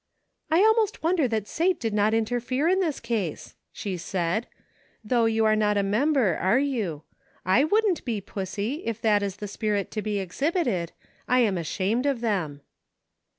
" I almost wonder that Sate did not interfere in this case," she said, " though you are not a mem ber, are you ? I wouldn't be, Pussie, if that is the spirit to be exhibited ; I am ashamed of them."